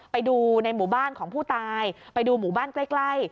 ไปดูในหมู่บ้านของผู้ตายไปดูหมู่บ้านใกล้